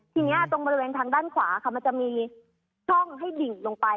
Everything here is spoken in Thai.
ทีนี้ตรงบริเวณทางด้านขวาค่ะมันจะมีช่องให้ดิ่งลงไป